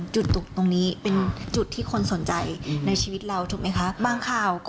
จุดตรงนี้เป็นจุดที่คนสนใจในชีวิตเรา